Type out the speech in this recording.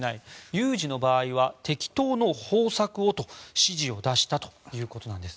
有事の場合は適当の方策をと指示を出したということです。